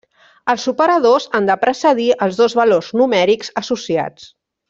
Els operadors han de precedir els dos valors numèrics associats.